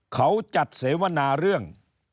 เขาจัดเสวนาเรื่อง